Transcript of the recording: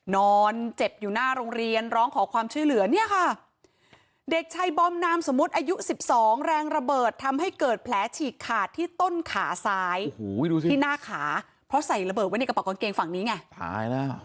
นอนเจ็บอยู่หน้าโรงเรียนร้องขอความช่วยเหลือเนี่ยค่ะเด็กชายบอมนามสมมุติอายุ๑๒แรงระเบิดทำให้เกิดแผลฉีกขาดที่ต้นขาซ้ายที่หน้าขาเพราะใส่ระเบิดไว้ในกระเป๋ากางเกงฝั่งนี้ไงหายแล้ว